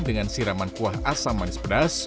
dengan siraman kuah asam manis pedas